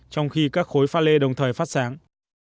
trong khi các khối phá lê đồng thời phát sáng